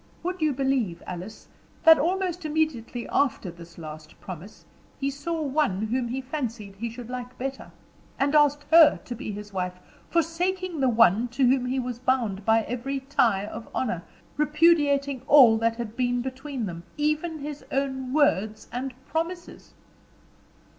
Would you believe, Alice, that almost immediately after this last promise, he saw one whom he fancied he should like better, and asked her to be his wife, forsaking the one to whom he was bound by every tie of honor repudiating all that had been between them, even his own words and promises?"